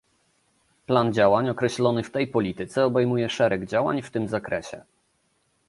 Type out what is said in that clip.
Plan działań określony w tej polityce obejmuje szereg działań w tym zakresie